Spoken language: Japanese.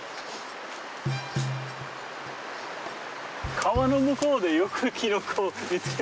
川の向こうでよくキノコ見つけましたね。